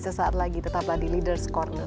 sesaat lagi tetap lagi di leaders' corner